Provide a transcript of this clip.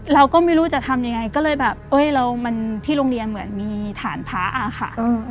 เราก็ไม่รู้จะทำยังไงก็เลยแบบที่โรงเรียนเหมือนมีฐานพาค่ะ